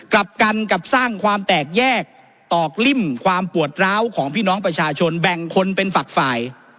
กลับกันกับสร้างความแตกแยกตอกลิ่มความปวดร้าวของพี่น้องประชาชนแบ่งคนเป็นฝักฝ่าย